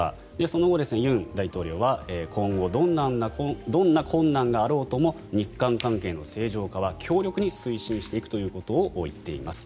その後、尹大統領は今後どんな困難があろうとも日韓関係の正常化は強力に推進していくと言っています。